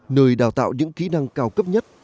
nơi đào tạo những kỹ năng cao cấp nhất